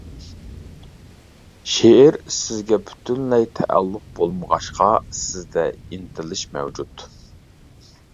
شېئىر سىزگە پۈتۈنلەي تەئەللۇق بولمىغاچقا سىزدە ئىنتىلىش مەۋجۇت.